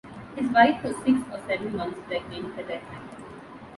His wife was six or seven months pregnant at the time.